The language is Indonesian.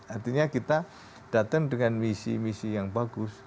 artinya kita datang dengan misi misi yang bagus